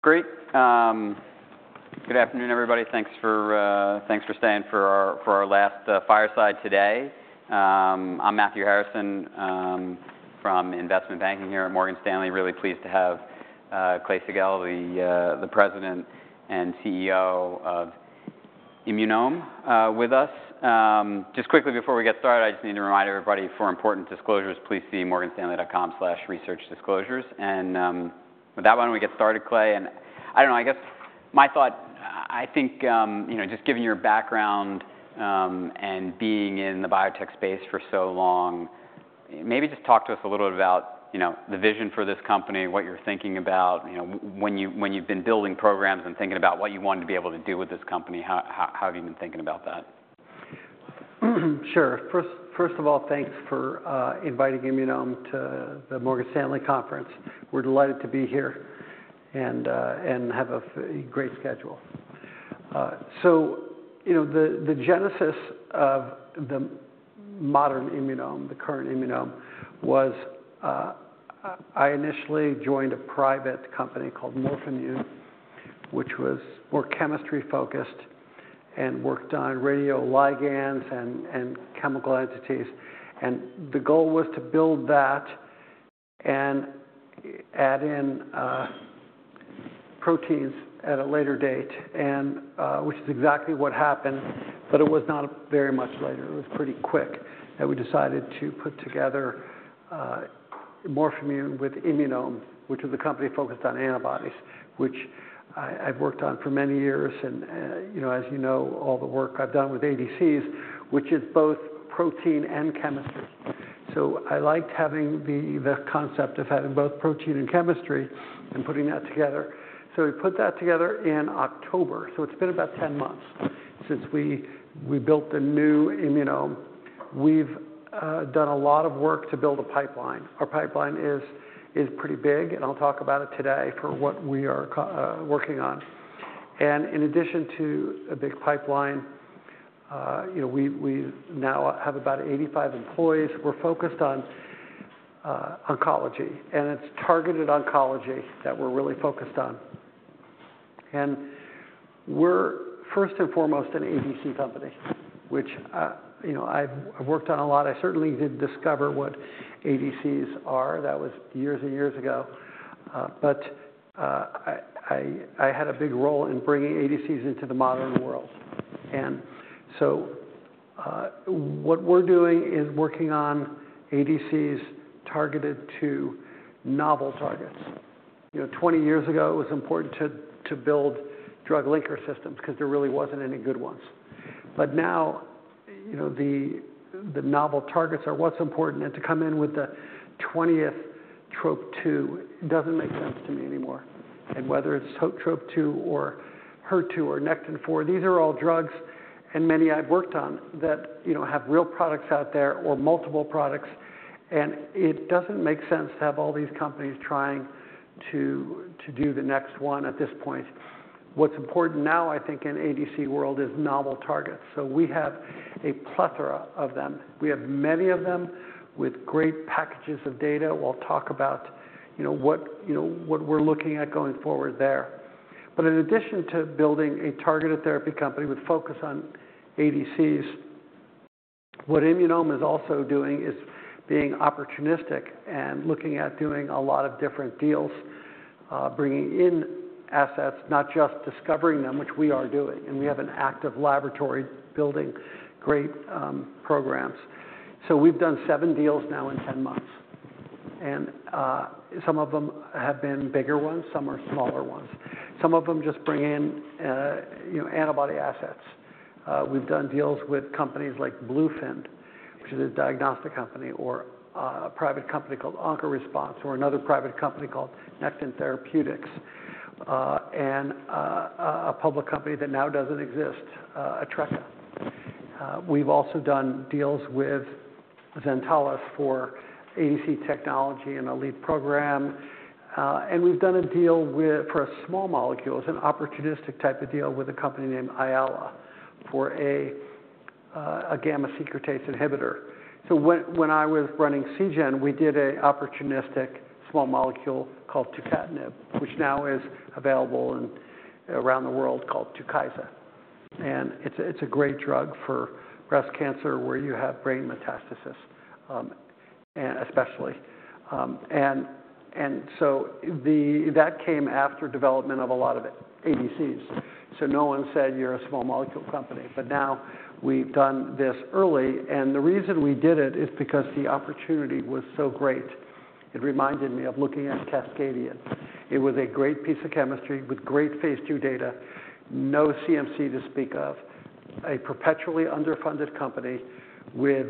Great. Good afternoon, everybody. Thanks for staying for our last fireside today. I'm Matthew Harrison from Investment Banking here at Morgan Stanley. Really pleased to have Clay Siegall, the President and CEO of Immunome with us. Just quickly before we get started, I just need to remind everybody, for important disclosures, please see morganstanley.com/researchdisclosures. And with that, why don't we get started, Clay? And I don't know, I guess my thought. I think, you know, just given your background and being in the biotech space for so long, maybe just talk to us a little bit about, you know, the vision for this company, what you're thinking about. You know, when you've been building programs and thinking about what you wanted to be able to do with this company, how have you been thinking about that? Sure. First of all, thanks for inviting Immunome to the Morgan Stanley conference. We're delighted to be here and have a great schedule. So you know, the genesis of the modern Immunome, the current Immunome, was I initially joined a private company called Morphimmune, which was more chemistry-focused and worked on radioligands and chemical entities. And the goal was to build that and add in proteins at a later date, and which is exactly what happened, but it was not very much later. It was pretty quick that we decided to put together Morphimmune with Immunome, which is a company focused on antibodies, which I've worked on for many years. And you know, as you know, all the work I've done with ADCs, which is both protein and chemistry. So I liked having the concept of having both protein and chemistry, and putting that together. So we put that together in October, so it's been about 10 months since we built the new Immunome. We've done a lot of work to build a pipeline. Our pipeline is pretty big, and I'll talk about it today for what we are working on. And in addition to a big pipeline, you know, we now have about 85 employees. We're focused on oncology, and it's targeted oncology that we're really focused on. And we're first and foremost an ADC company, which, you know, I've worked on a lot. I certainly didn't discover what ADCs are. That was years and years ago. But I had a big role in bringing ADCs into the modern world. And so, what we're doing is working on ADCs targeted to novel targets. You know, 20 years ago, it was important to build drug linker systems, 'cause there really wasn't any good ones. But now, you know, the novel targets are what's important, and to come in with the 20th Trop-2 doesn't make sense to me anymore. And whether it's Trop-2, or HER2, or Nectin-4, these are all drugs, and many I've worked on, that, you know, have real products out there or multiple products, and it doesn't make sense to have all these companies trying to do the next one at this point. What's important now, I think, in ADC world is novel targets, so we have a plethora of them. We have many of them with great packages of data. We'll talk about, you know, what, you know, what we're looking at going forward there. But in addition to building a targeted therapy company with focus on ADCs, what Immunome is also doing is being opportunistic and looking at doing a lot of different deals, bringing in assets, not just discovering them, which we are doing, and we have an active laboratory building great programs. So we've done seven deals now in ten months, and some of them have been bigger ones, some are smaller ones. Some of them just bring in you know antibody assets. We've done deals with companies like Bluefin, which is a diagnostic company, or a private company called OncoResponse, or another private company called Nectin Therapeutics, and a public company that now doesn't exist, Atreca. We've also done deals with Zentalis for ADC technology and a lead program. And we've done a deal with- for a small molecule, it's an opportunistic type of deal, with a company named Ayala for a gamma secretase inhibitor. So when I was running Seagen, we did a opportunistic small molecule called tucatinib, which now is available in- around the world called Tukysa. And it's a great drug for breast cancer, where you have brain metastasis, and especially. And so the... That came after development of a lot of ADCs, so no one said, "You're a small molecule company." But now we've done this early, and the reason we did it is because the opportunity was so great. It reminded me of looking at Cascadian. It was a great piece of chemistry with great Phase 2 data, no CMC to speak of, a perpetually underfunded company with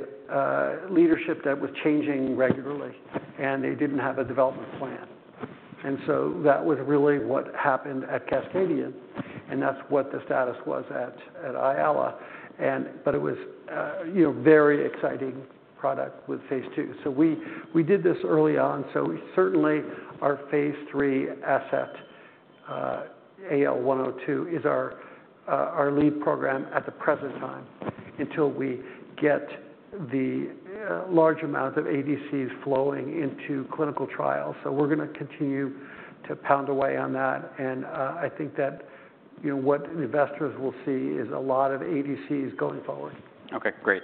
leadership that was changing regularly, and they didn't have a development plan, and so that was really what happened at Cascadian, and that's what the status was at Ayala, but it was, you know, very exciting product with Phase 2, so we did this early on, so certainly our Phase 3 asset AL102 is our lead program at the present time, until we get the large amount of ADCs flowing into clinical trials, so we're gonna continue to pound away on that, and I think that, you know, what investors will see is a lot of ADCs going forward. Okay, great.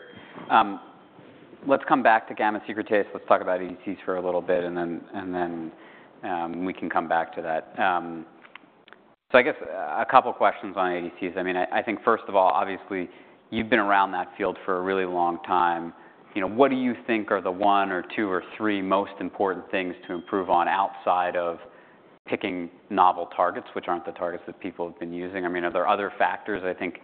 Let's come back to gamma secretase. Let's talk about ADCs for a little bit, and then, and then, we can come back to that. So I guess, a couple questions on ADCs. I mean, I think, first of all, obviously, you've been around that field for a really long time. You know, what do you think are the one or two or three most important things to improve on, outside of picking novel targets, which aren't the targets that people have been using? I mean, are there other factors? I think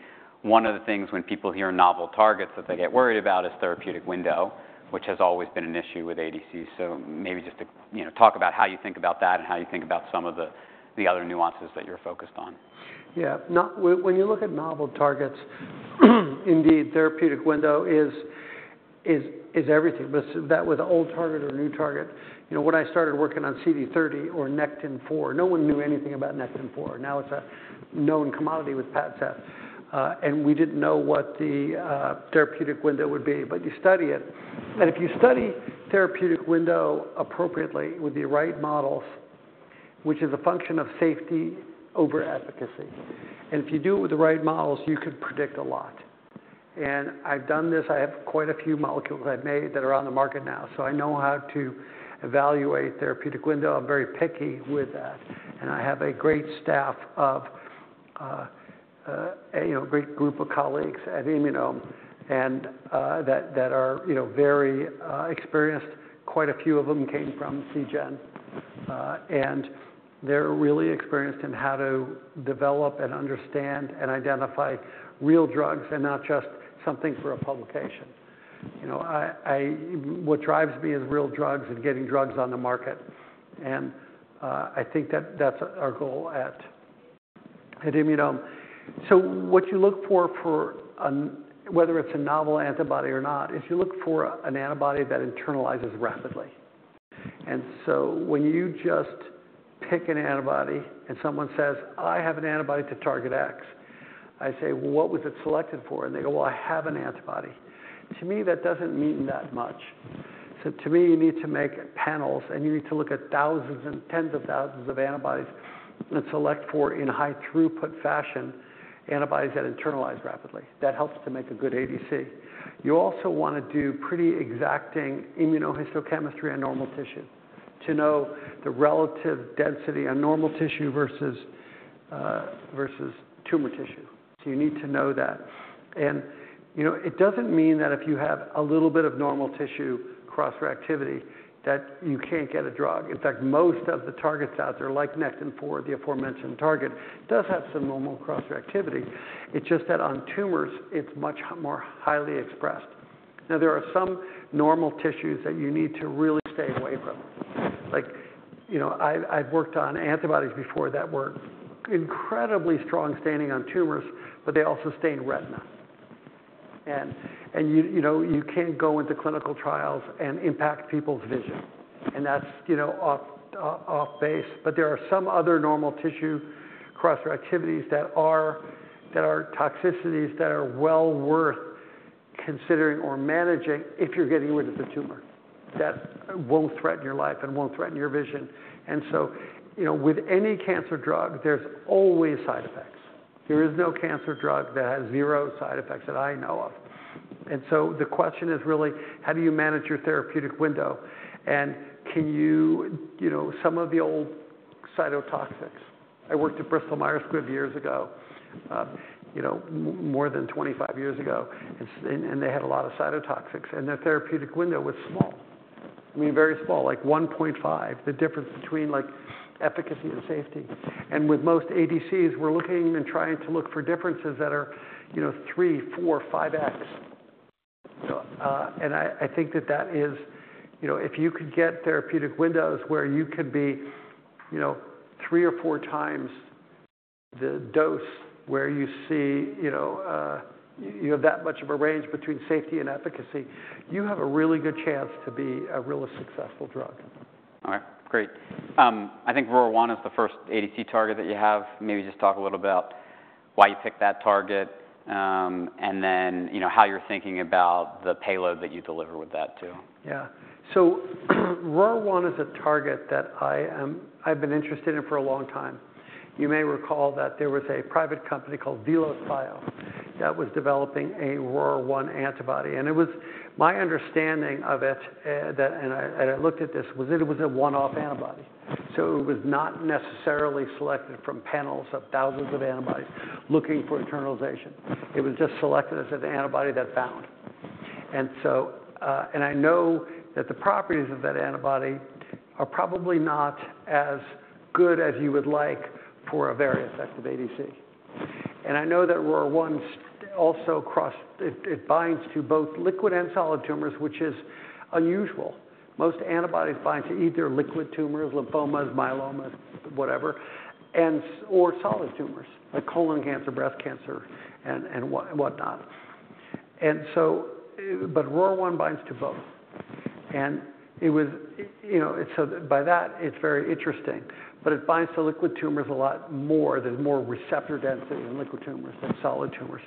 one of the things, when people hear novel targets, that they get worried about is therapeutic window, which has always been an issue with ADCs. So maybe just to, you know, talk about how you think about that and how you think about some of the other nuances that you're focused on. Yeah. When you look at novel targets, indeed, therapeutic window is everything, but that with an old target or a new target. You know, when I started working on CD30 or Nectin-4, no one knew anything about Nectin-4. Now, it's a known commodity with Padcev. And we didn't know what the therapeutic window would be, but you study it. And if you study therapeutic window appropriately with the right models, which is a function of safety over efficacy, and if you do it with the right models, you could predict a lot. And I've done this. I have quite a few molecules I've made that are on the market now, so I know how to evaluate therapeutic window. I'm very picky with that, and I have a great staff of, you know, a great group of colleagues at Immunome and, that are, you know, very experienced. Quite a few of them came from Seagen, and they're really experienced in how to develop and understand and identify real drugs and not just something for a publication. You know, what drives me is real drugs and getting drugs on the market, and, I think that that's our goal at Immunome. So what you look for for an... Whether it's a novel antibody or not, is you look for an antibody that internalizes rapidly. And so when you just pick an antibody and someone says, "I have an antibody to target X," I say, "Well, what was it selected for?" And they go, "Well, I have an antibody." To me, that doesn't mean that much. So to me, you need to make panels, and you need to look at thousands and tens of thousands of antibodies and select for, in high throughput fashion, antibodies that internalize rapidly. That helps to make a good ADC. You also want to do pretty exacting immunohistochemistry on normal tissue to know the relative density on normal tissue versus versus tumor tissue. So you need to know that. And, you know, it doesn't mean that if you have a little bit of normal tissue cross-reactivity, that you can't get a drug. In fact, most of the targets out there, like Nectin-4, the aforementioned target, does have some normal cross-reactivity. It's just that on tumors, it's much more highly expressed. Now, there are some normal tissues that you need to really stay away from. Like, you know, I've worked on antibodies before that were incredibly strong standing on tumors, but they also stained retina, and you know, you can't go into clinical trials and impact people's vision, and that's, you know, off base, but there are some other normal tissue cross-reactivities that are toxicities that are well worth considering or managing if you're getting rid of the tumor, that won't threaten your life and won't threaten your vision, and so, you know, with any cancer drug, there's always side effects. There is no cancer drug that has zero side effects that I know of. The question is really, how do you manage your therapeutic window? And can you... You know, some of the old cytotoxics, I worked at Bristol Myers Squibb years ago, you know, more than 25 years ago, and and they had a lot of cytotoxics, and their therapeutic window was small. I mean, very small, like one point five, the difference between, like, efficacy and safety. And with most ADCs, we're looking and trying to look for differences that are, you know, three, four, five X. And I think that is... You know, if you could get therapeutic windows where you could be, you know, three or four times the dose, where you see, you know, you have that much of a range between safety and efficacy, you have a really good chance to be a really successful drug. All right, great. I think ROR1 is the first ADC target that you have. Maybe just talk a little about why you picked that target, and then, you know, how you're thinking about the payload that you deliver with that, too. Yeah, so ROR1 is a target that I've been interested in for a long time. You may recall that there was a private company called VelosBio that was developing a ROR1 antibody, and it was my understanding of it, and I looked at this, was that it was a one-off antibody, so it was not necessarily selected from panels of thousands of antibodies looking for internalization. It was just selected as an antibody that bound. And so, and I know that the properties of that antibody are probably not as good as you would like for a very effective ADC. And I know that ROR1's also. It binds to both liquid and solid tumors, which is unusual. Most antibodies bind to either liquid tumors, lymphomas, myelomas, whatever, and or solid tumors, like colon cancer, breast cancer, and whatnot, and so but ROR1 binds to both, and it was, you know, so by that, it's very interesting. But it binds to liquid tumors a lot more. There's more receptor density in liquid tumors than solid tumors.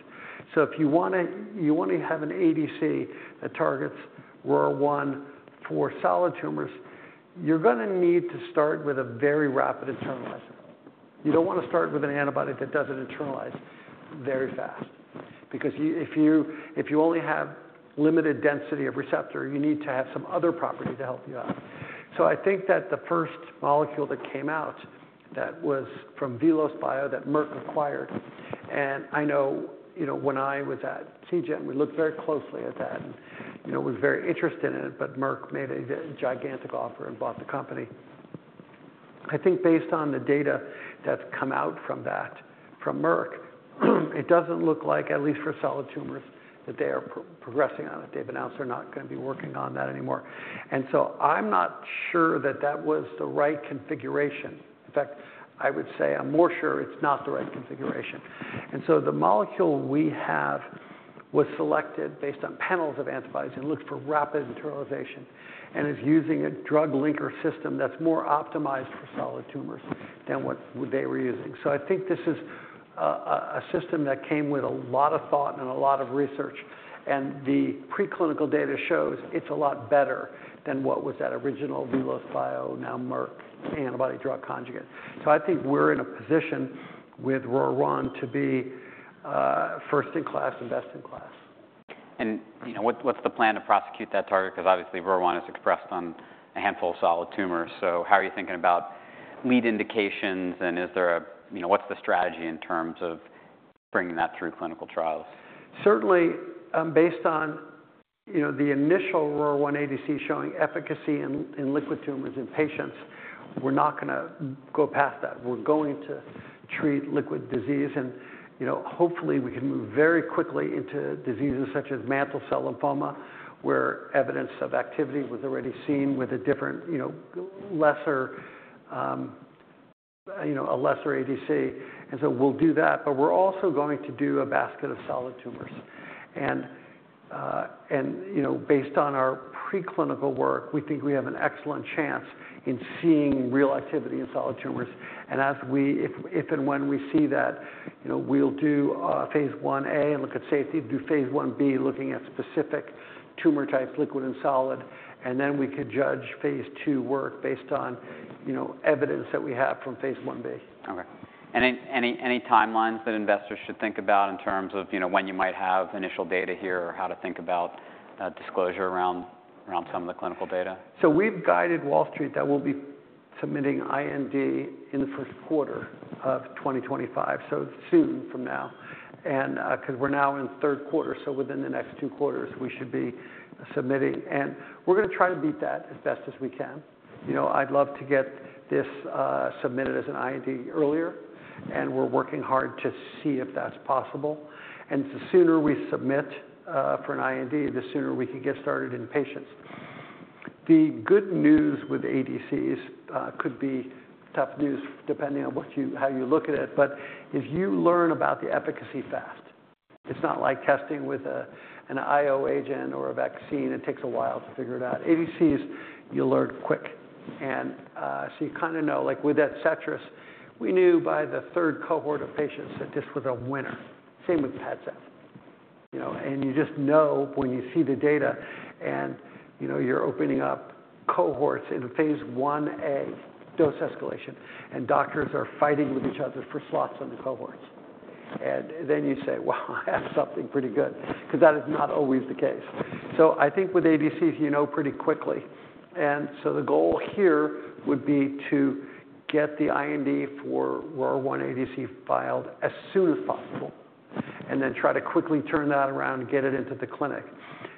So if you wanna, you wanna have an ADC that targets ROR1 for solid tumors, you're gonna need to start with a very rapid internalizer. You don't wanna start with an antibody that doesn't internalize very fast, because if you only have limited density of receptor, you need to have some other property to help you out. So I think that the first molecule that came out, that was from VelosBio, that Merck acquired, and I know, you know, when I was at Seagen, we looked very closely at that, and, you know, was very interested in it, but Merck made a gigantic offer and bought the company. I think based on the data that's come out from that, from Merck, it doesn't look like, at least for solid tumors, that they are progressing on it. They've announced they're not gonna be working on that anymore. And so I'm not sure that that was the right configuration. In fact, I would say I'm more sure it's not the right configuration. And so the molecule we have was selected based on panels of antibodies and looked for rapid internalization, and is using a drug linker system that's more optimized for solid tumors than what they were using. So I think this is a system that came with a lot of thought and a lot of research, and the preclinical data shows it's a lot better than what was that original VelosBio, now Merck, antibody drug conjugate. So I think we're in a position with ROR1 to be first in class and best in class. You know, what, what's the plan to prosecute that target? Because obviously, ROR1 is expressed on a handful of solid tumors. So how are you thinking about lead indications, and is there a... You know, what's the strategy in terms of bringing that through clinical trials? Certainly, based on, you know, the initial ROR1 ADC showing efficacy in liquid tumors in patients, we're not gonna go past that. We're going to treat liquid disease and, you know, hopefully, we can move very quickly into diseases such as mantle cell lymphoma, where evidence of activity was already seen with a different, you know, lesser, you know, a lesser ADC, and so we'll do that, but we're also going to do a basket of solid tumors, and you know, based on our preclinical work, we think we have an excellent chance in seeing real activity in solid tumors. If and when we see that, you know, we'll do Phase 1a and look at safety, do Phase 1b, looking at specific tumor types, liquid and solid, and then we could judge Phase 2 work based on, you know, evidence that we have from Phase 1b. Okay. Any timelines that investors should think about in terms of, you know, when you might have initial data here or how to think about, disclosure around some of the clinical data? So we've guided Wall Street that we'll be submitting IND in the first quarter of 2025, so soon from now. And, 'cause we're now in the third quarter, so within the next two quarters, we should be submitting. And we're gonna try to beat that as best as we can. You know, I'd love to get this submitted as an IND earlier, and we're working hard to see if that's possible. And the sooner we submit for an IND, the sooner we can get started in patients. The good news with ADCs could be tough news, depending on how you look at it, but if you learn about the efficacy fast, it's not like testing with an IO agent or a vaccine. It takes a while to figure it out. ADCs, you learn quick. And so you kinda know. Like with Adcetris, we knew by the third cohort of patients that this was a winner. Same with Padcev. You know, and you just know when you see the data, and, you know, you're opening up cohorts in a Phase 1a dose escalation, and doctors are fighting with each other for slots on the cohorts. And then you say, "Wow, I have something pretty good," 'cause that is not always the case. So I think with ADCs, you know pretty quickly. And so the goal here would be to get the IND for ROR1 ADC filed as soon as possible, and then try to quickly turn that around and get it into the clinic.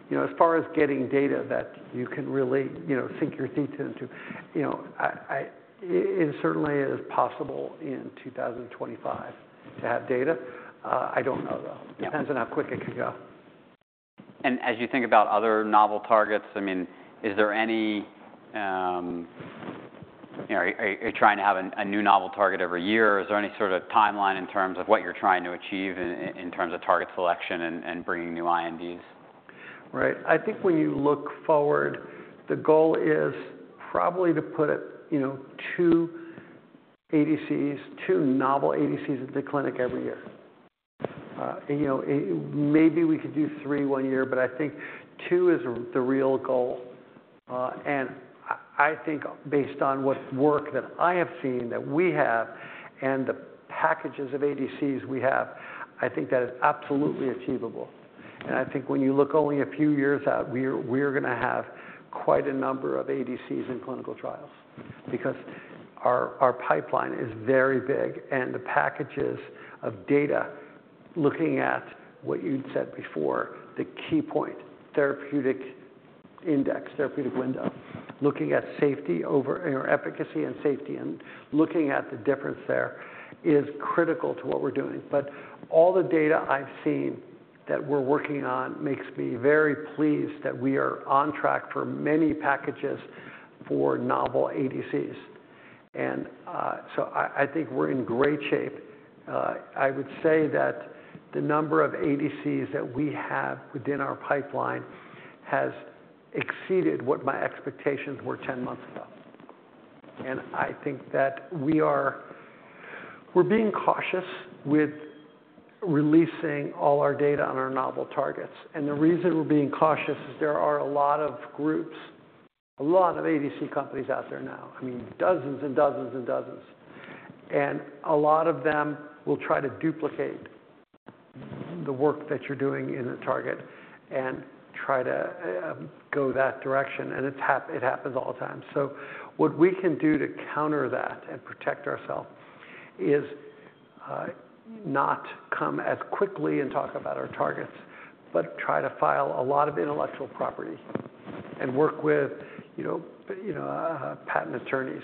You know, as far as getting data that you can really, you know, sink your teeth into, you know, I it certainly is possible in 2025 to have data. I don't know, though. Yeah. Depends on how quick it can go. And as you think about other novel targets, I mean, is there any? You know, are you trying to have a new novel target every year, or is there any sort of timeline in terms of what you're trying to achieve in terms of target selection and bringing new INDs? Right. I think when you look forward, the goal is probably to put, you know, two ADCs, two novel ADCs into the clinic every year. You know, maybe we could do three one year, but I think two is the real goal. And I think based on what work that I have seen that we have and the packages of ADCs we have, I think that is absolutely achievable. And I think when you look only a few years out, we're gonna have quite a number of ADCs in clinical trials because our pipeline is very big, and the packages of data, looking at what you'd said before, the key point, therapeutic index, therapeutic window, looking at safety or efficacy and safety, and looking at the difference there, is critical to what we're doing. But all the data I've seen that we're working on makes me very pleased that we are on track for many packages for novel ADCs. And so I think we're in great shape. I would say that the number of ADCs that we have within our pipeline has exceeded what my expectations were ten months ago. And I think that we're being cautious with releasing all our data on our novel targets. And the reason we're being cautious is there are a lot of groups, a lot of ADC companies out there now, I mean, dozens and dozens, and dozens. And a lot of them will try to duplicate the work that you're doing in the target and try to go that direction, and it happens all the time. So what we can do to counter that and protect ourselves is not come as quickly and talk about our targets, but try to file a lot of intellectual property and work with, you know, patent attorneys,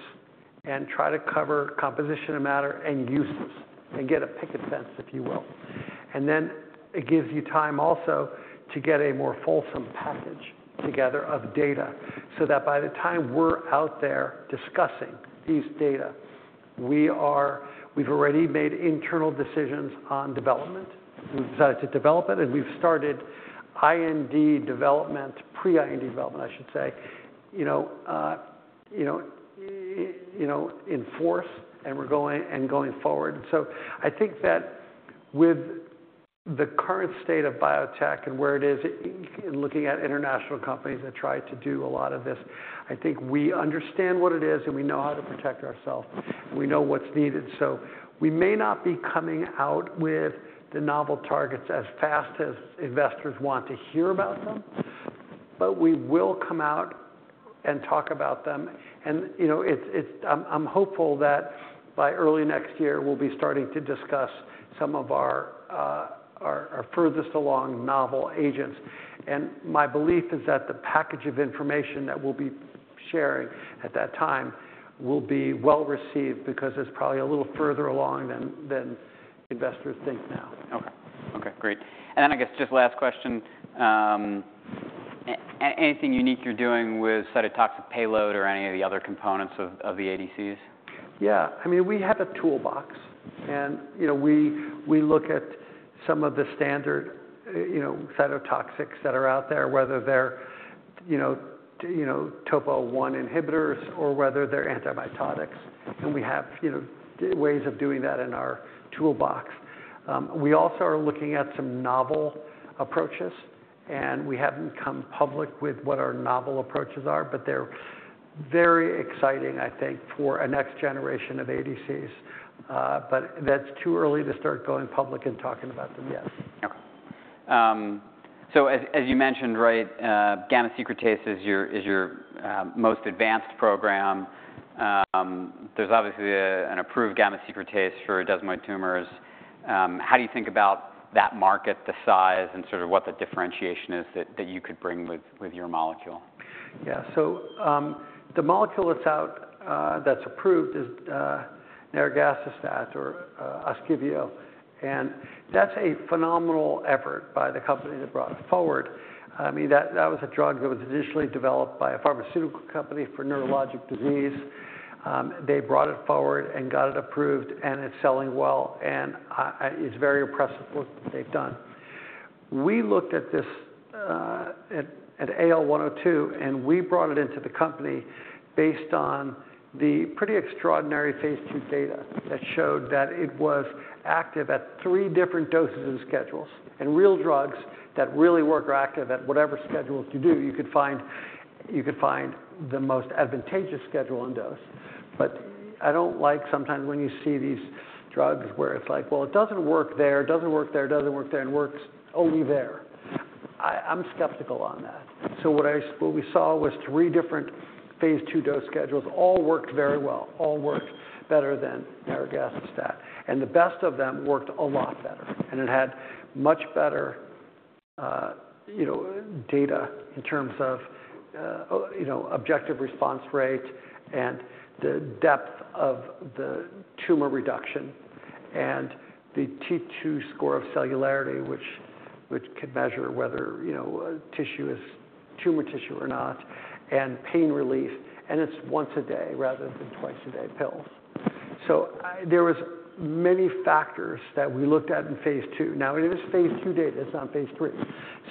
and try to cover composition of matter and uses, and get a picket fence, if you will. And then it gives you time also to get a more fulsome package together of data, so that by the time we're out there discussing these data, we've already made internal decisions on development. We've decided to develop it, and we've started IND development, pre-IND development, I should say, you know, you know, you know, in force, and we're going and going forward. So I think that with the current state of biotech and where it is, in looking at international companies that try to do a lot of this, I think we understand what it is, and we know how to protect ourselves, and we know what's needed, so we may not be coming out with the novel targets as fast as investors want to hear about them, but we will come out and talk about them, and you know, it's. I'm hopeful that by early next year, we'll be starting to discuss some of our furthest along novel agents, and my belief is that the package of information that we'll be sharing at that time will be well received because it's probably a little further along than investors think now. Okay. Okay, great. And then, I guess, just last question. Anything unique you're doing with cytotoxic payload or any of the other components of the ADCs? Yeah. I mean, we have a toolbox, and, you know, we look at some of the standard, you know, cytotoxics that are out there, whether they're, you know, TOPO1 inhibitors or whether they're antimitotics, and we have, you know, ways of doing that in our toolbox. We also are looking at some novel approaches, and we haven't come public with what our novel approaches are, but they're very exciting, I think, for a next generation of ADCs. But that's too early to start going public and talking about them yet. Okay. So as you mentioned, right, gamma secretase is your most advanced program. There's obviously an approved gamma secretase for desmoid tumors. How do you think about that market, the size, and sort of what the differentiation is that you could bring with your molecule? Yeah. So, the molecule that's out, that's approved is nirogacestat or Ogsiveo, and that's a phenomenal effort by the company that brought it forward. I mean, that was a drug that was initially developed by a pharmaceutical company for neurologic disease. They brought it forward and got it approved, and it's selling well, and it's very impressive work that they've done. We looked at this, at AL102, and we brought it into the company based on the pretty extraordinary Phase 2 data that showed that it was active at three different doses and schedules. And real drugs that really work are active at whatever schedules you do. You could find the most advantageous schedule and dose. I don't like sometimes when you see these drugs where it's like, well, it doesn't work there, it doesn't work there, it doesn't work there, and works only there. I'm skeptical on that. So what we saw was three different Phase 2 dose schedules, all worked very well, all worked better than nirogacestat, and the best of them worked a lot better. And it had much better, you know, data in terms of, you know, objective response rate and the depth of the tumor reduction, and the T2 score of cellularity, which could measure whether, you know, a tissue is tumor tissue or not, and pain relief, and it's once a day rather than twice a day pills. So I... There was many factors that we looked at in Phase 2. Now, it was Phase 2 data, it's not Phase 3,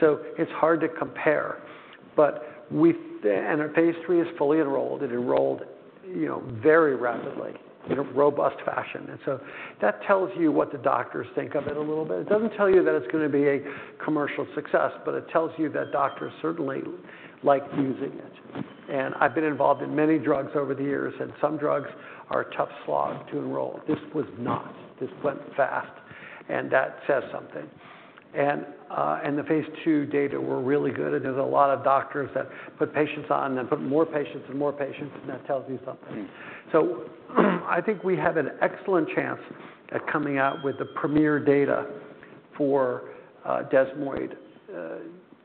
so it's hard to compare. But and our Phase 3 is fully enrolled. It enrolled, you know, very rapidly in a robust fashion, and so that tells you what the doctors think of it a little bit. It doesn't tell you that it's gonna be a commercial success, but it tells you that doctors certainly like using it. And I've been involved in many drugs over the years, and some drugs are a tough slog to enroll. This was not. This went fast, and that says something. And, and the Phase 2 data were really good, and there's a lot of doctors that put patients on and put more patients and more patients, and that tells you something. I think we have an excellent chance at coming out with the premier data for desmoid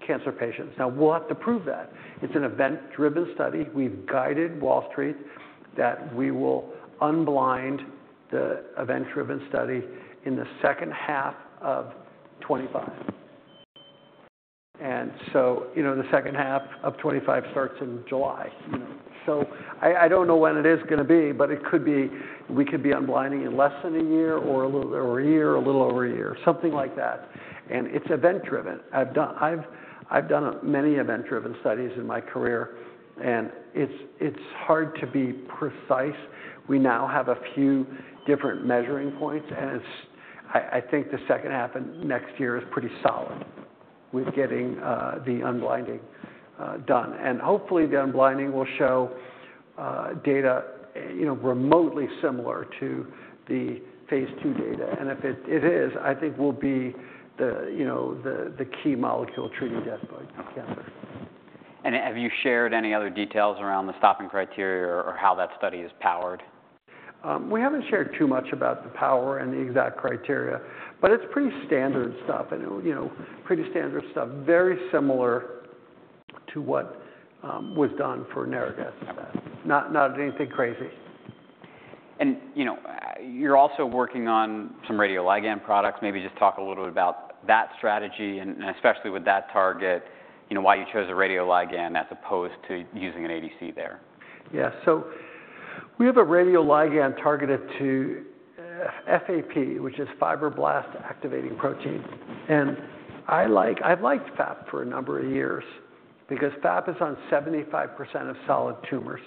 cancer patients. Now, we'll have to prove that. It's an event-driven study. We've guided Wall Street that we will unblind the event-driven study in the second half of 2025. And so, you know, the second half of 2025 starts in July, you know. So I don't know when it is gonna be, but it could be we could be unblinding in less than a year, or a little over a year, or a little over a year, something like that. And it's event-driven. I've done many event-driven studies in my career, and it's hard to be precise. We now have a few different measuring points, and it's I think the second half of next year is pretty solid with getting the unblinding done. Hopefully, the unblinding will show data, you know, remotely similar to the Phase 2 data. If it is, I think we'll be, you know, the key molecule treating death by cancer. Have you shared any other details around the stopping criteria or how that study is powered? We haven't shared too much about the power and the exact criteria, but it's pretty standard stuff. You know, pretty standard stuff, very similar to what was done for nirogacestat. Not anything crazy. You know, you're also working on some radioligand products. Maybe just talk a little bit about that strategy, and especially with that target, you know, why you chose a radioligand as opposed to using an ADC there. Yeah. So we have a radioligand targeted to FAP, which is fibroblast activation protein. And I like- I've liked FAP for a number of years because FAP is on 75% of solid tumors.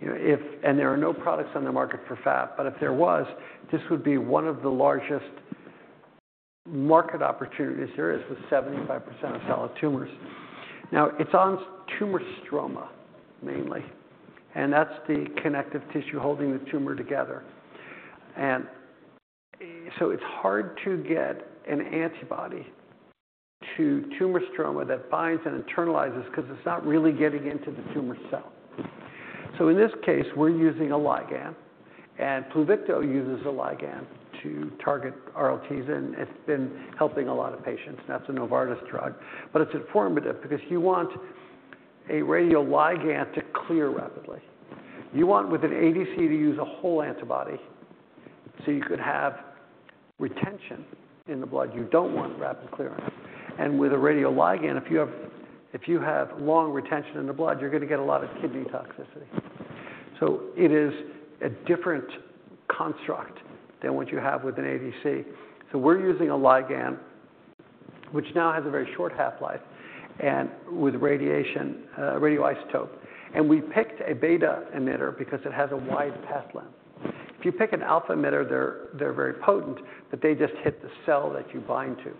You know, if... And there are no products on the market for FAP, but if there was, this would be one of the largest market opportunities there is, with 75% of solid tumors. Now, it's on tumor stroma, mainly, and that's the connective tissue holding the tumor together. And so it's hard to get an antibody to tumor stroma that binds and internalizes because it's not really getting into the tumor cell. So in this case, we're using a ligand, and Pluvicto uses a ligand to target RLTs, and it's been helping a lot of patients. That's a Novartis drug. But it's informative because you want a radioligand to clear rapidly. You want, with an ADC, to use a whole antibody, so you could have retention in the blood. You don't want rapid clearing. And with a radioligand, if you have long retention in the blood, you're gonna get a lot of kidney toxicity. So it is a different construct than what you have with an ADC. So we're using a ligand, which now has a very short half-life and with a radioisotope. And we picked a beta emitter because it has a wide path length. If you pick an alpha emitter, they're very potent, but they just hit the cell that you bind to.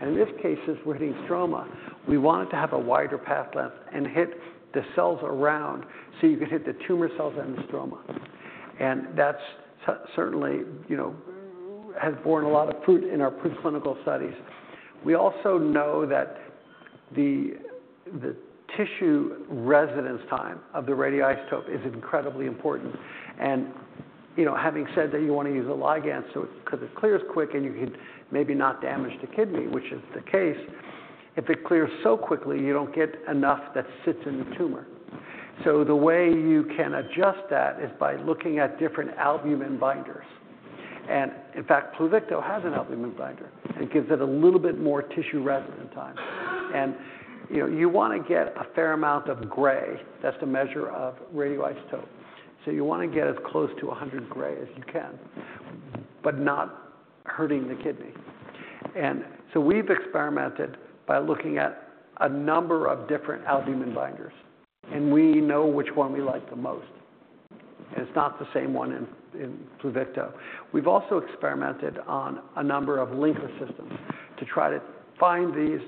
And in this case, since we're hitting stroma, we want it to have a wider path length and hit the cells around, so you can hit the tumor cells and the stroma. And that's certainly, you know, has borne a lot of fruit in our preclinical studies. We also know that the tissue residence time of the radioisotope is incredibly important. And, you know, having said that, you want to use a ligand, so, because it clears quick and you can maybe not damage the kidney, which is the case. If it clears so quickly, you don't get enough that sits in the tumor. So the way you can adjust that is by looking at different albumin binders. And in fact, Pluvicto has an albumin binder. It gives it a little bit more tissue residence time. And, you know, you want to get a fair amount of gray. That's the measure of radioisotope. So you want to get as close to 100 gray as you can, but not hurting the kidney. We've experimented by looking at a number of different albumin binders, and we know which one we like the most, and it's not the same one in Pluvicto. We've also experimented on a number of linker systems to try to find the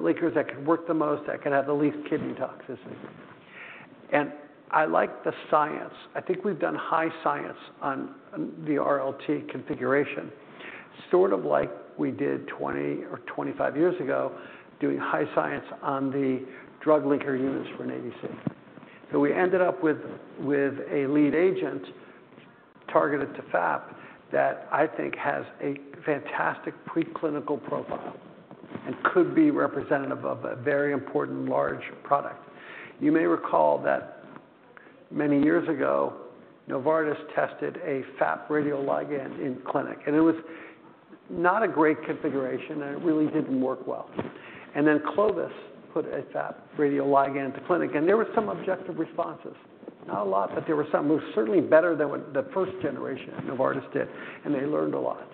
linkers that could work the most, that could have the least kidney toxicity. I like the science. I think we've done high science on the RLT configuration, sort of like we did 20 or 25 years ago, doing high science on the drug linker units for an ADC. We ended up with a lead agent targeted to FAP that I think has a fantastic preclinical profile and could be representative of a very important large product. You may recall that many years ago, Novartis tested a FAP radioligand in clinic, and it was not a great configuration, and it really didn't work well. And then Clovis put a FAP radioligand to clinic, and there were some objective responses. Not a lot, but there were some. It was certainly better than what the first generation at Novartis did, and they learned a lot.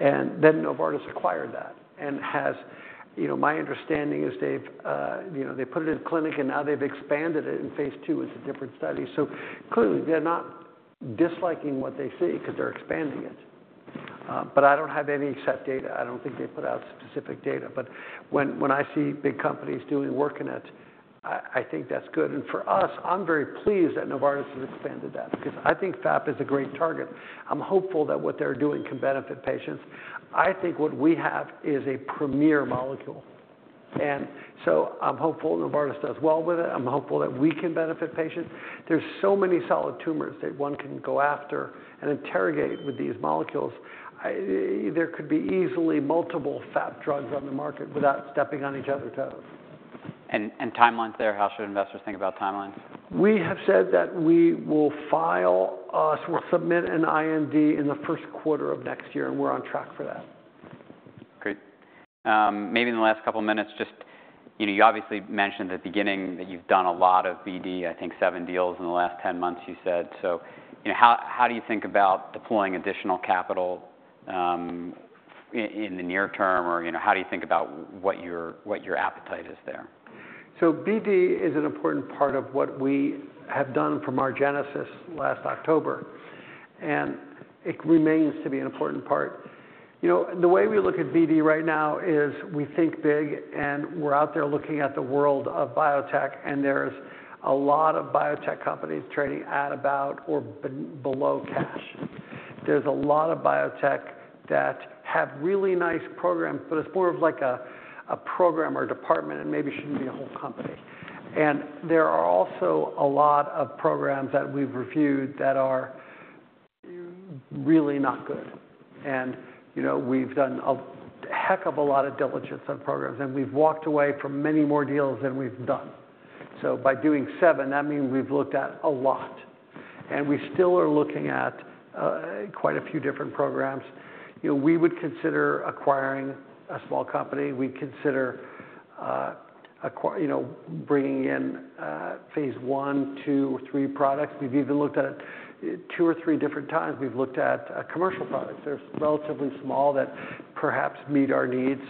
And then Novartis acquired that and has. You know, my understanding is they've, you know, they put it in clinic, and now they've expanded it, and Phase 2 is a different study. So clearly, they're not disliking what they see because they're expanding it. But I don't have any set data. I don't think they've put out specific data. But when I see big companies doing work in it, I think that's good. For us, I'm very pleased that Novartis has expanded that because I think FAP is a great target. I'm hopeful that what they're doing can benefit patients. I think what we have is a premier molecule, and so I'm hopeful Novartis does well with it. I'm hopeful that we can benefit patients. There's so many solid tumors that one can go after and interrogate with these molecules. There could be easily multiple FAP drugs on the market without stepping on each other's toes.... And timelines there, how should investors think about timelines? We have said that we will file, we'll submit an IND in the first quarter of next year, and we're on track for that. Great. Maybe in the last couple minutes, just, you know, you obviously mentioned at the beginning that you've done a lot of BD, I think seven deals in the last ten months, you said. So, you know, how do you think about deploying additional capital, in the near term? Or, you know, how do you think about what your, what your appetite is there? So BD is an important part of what we have done from our genesis last October, and it remains to be an important part. You know, the way we look at BD right now is we think big, and we're out there looking at the world of biotech, and there's a lot of biotech companies trading at about or below cash. There's a lot of biotech that have really nice programs, but it's more of like a program or a department and maybe shouldn't be a whole company. And there are also a lot of programs that we've reviewed that are really not good. And, you know, we've done a heck of a lot of diligence on programs, and we've walked away from many more deals than we've done. So by doing seven, that means we've looked at a lot, and we still are looking at quite a few different programs. You know, we would consider acquiring a small company. We'd consider acquiring, you know, bringing in Phase 1, 2, or 3 products. We've even looked at two or three different times, we've looked at commercial products that are relatively small that perhaps meet our needs.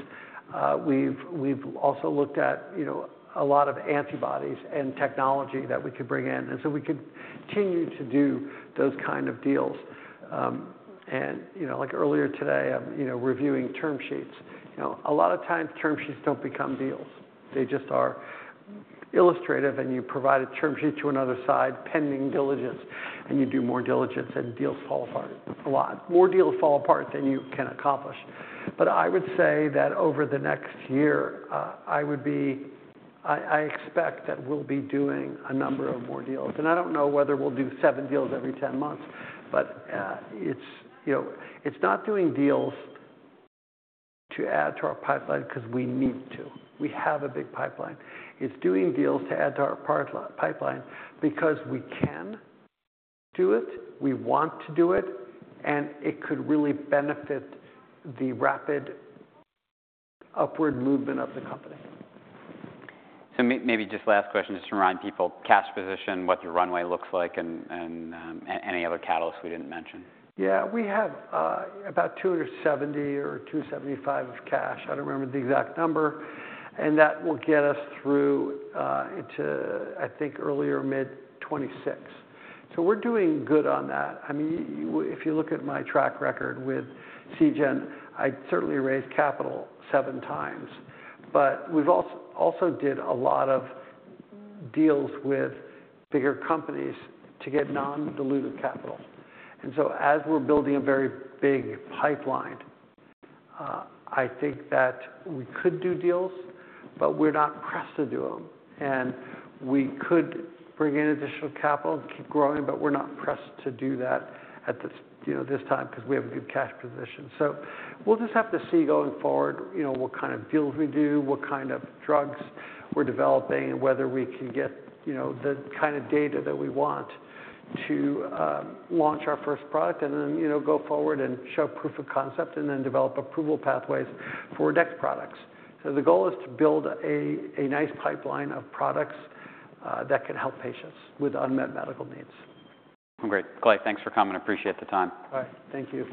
We've also looked at, you know, a lot of antibodies and technology that we could bring in, and so we could continue to do those kind of deals. And, you know, like earlier today, I'm you know, reviewing term sheets. You know, a lot of times term sheets don't become deals. They just are illustrative, and you provide a term sheet to another side pending diligence, and you do more diligence, and deals fall apart a lot. More deals fall apart than you can accomplish, but I would say that over the next year, I expect that we'll be doing a number of more deals, and I don't know whether we'll do seven deals every ten months, but, it's, you know, it's not doing deals to add to our pipeline because we need to. We have a big pipeline. It's doing deals to add to our pipeline because we can do it, we want to do it, and it could really benefit the rapid upward movement of the company. So maybe just last question, just to remind people, cash position, what the runway looks like, and any other catalysts we didn't mention. Yeah. We have about $270 million or $275 million of cash. I don't remember the exact number, and that will get us through into, I think, early or mid-2026. So we're doing good on that. I mean, if you look at my track record with Seagen, I certainly raised capital seven times. But we've also did a lot of deals with bigger companies to get non-dilutive capital. And so as we're building a very big pipeline, I think that we could do deals, but we're not pressed to do them. And we could bring in additional capital and keep growing, but we're not pressed to do that at this, you know, this time, because we have a good cash position. So we'll just have to see going forward, you know, what kind of deals we do, what kind of drugs we're developing, and whether we can get, you know, the kind of data that we want to launch our first product, and then, you know, go forward and show proof of concept and then develop approval pathways for next products. So the goal is to build a nice pipeline of products that can help patients with unmet medical needs. Great. Clay, thanks for coming. I appreciate the time. All right. Thank you.